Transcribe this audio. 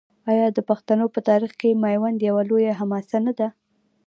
آیا د پښتنو په تاریخ کې میوند یوه لویه حماسه نه ده؟